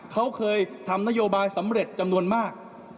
เขาเคยทำนโยบายสำเร็จจำนวนมาก